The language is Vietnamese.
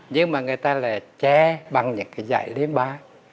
nhưng mà người ta lại che bằng những cái giải lim ba